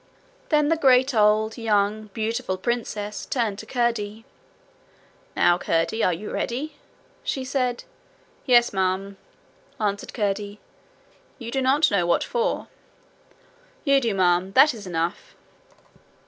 Then the great old, young, beautiful princess turned to Curdie. 'Now, Curdie, are you ready?' she said. 'Yes, ma'am,' answered Curdie. 'You do not know what for.' 'You do, ma'am. That is enough.'